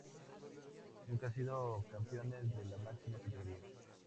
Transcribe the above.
Nunca han sido campeones de la máxima categoría.